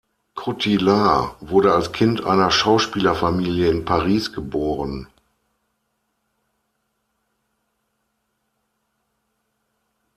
Cotillard wurde als Kind einer Schauspielerfamilie in Paris geboren.